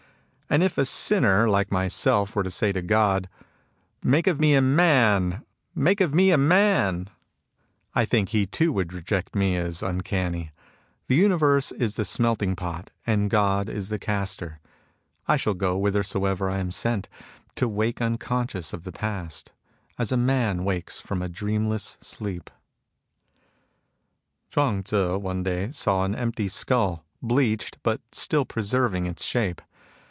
And if a sinner like 84 MUSINGS OF A CHINESE MYSTIC myself were to say to Grod :'^ Make of me a man, make of me a man "; I tiiink he too would reject me as uncamiy. The universe is the smelting pot, and God is the caster. I shall go whithersoever I am sent, to wake unconscious of the past, as a man wakes from a dreamless sleep. Chuang((Tzu one day saw an empty skuU, bleached, but still preserving its shape.